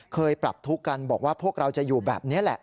ปรับทุกข์กันบอกว่าพวกเราจะอยู่แบบนี้แหละ